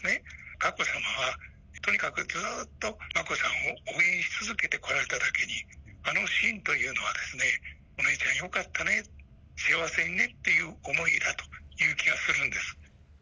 佳子さまは、とにかくずっと眞子さんを応援し続けてこられただけに、あのシーンというのは、お姉ちゃんよかったね、幸せにねっていう思いだという気がするんです。